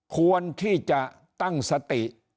ควรที่จะตั้งสติ